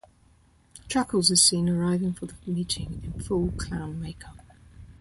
Chuckles is seen arriving for the meeting in full clown makeup.